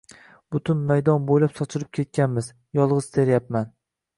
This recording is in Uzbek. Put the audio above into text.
Butun maydon boʻylab sochilib ketganmiz. Yolgʻiz teryapman.